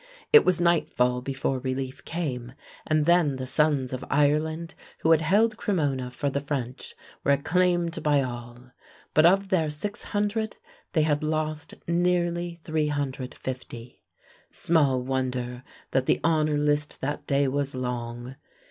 It was nightfall before relief came, and then the sons of Ireland who had held Cremona for the French were acclaimed by all, but of their 600 they had lost nearly 350. Small wonder that the honor list that day was long.